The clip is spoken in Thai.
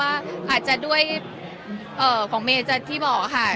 อาจจะด้วยเอ่อของเมจ่ะที่บอกค่ะ